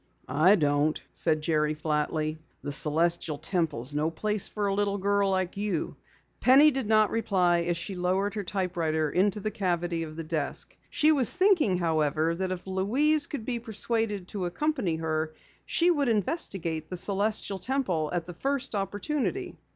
"I don't," said Jerry flatly. "The Celestial Temple is no place for a little girl like you." Penny did not reply as she lowered her typewriter into the cavity of the desk. She was thinking, however, that if Louise could be persuaded to accompany her, she would investigate the Celestial Temple at the first opportunity.